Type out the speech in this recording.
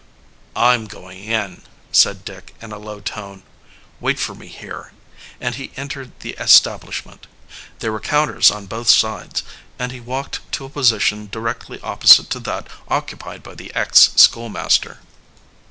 "I'm going in," said Dick in a low tone. "Wait for me here," and he entered the establishment. There were counters an both sides, and he walked to a position directly opposite to that occupied by the ex schoolmaster.